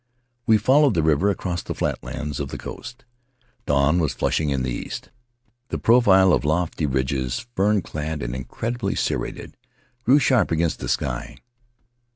We followed the river across the flatlands of the coast. Dawn was flushing in the east; the profile of lofty ridges, fern clad and incredibly serrated, grew sharp against the sky.